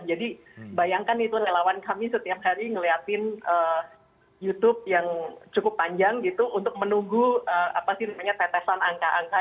jadi bayangkan itu relawan kami setiap hari melihat youtube yang cukup panjang untuk menunggu tetesan angka angka